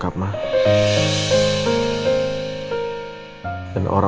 luar biasa pak